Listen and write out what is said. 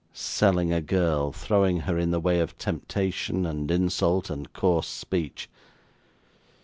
Selling a girl throwing her in the way of temptation, and insult, and coarse speech.